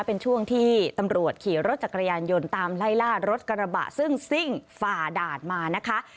เป็นช่วงที่ตำรวจขี่รถจักรยานยนต์ตามไล่ล่ารถกระบะซึ่งซิ่งฝ่าด่านมานะคะ